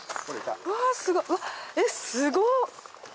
うわすごいうわっえっすご。